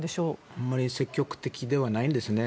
あまり積極的ではないんですね。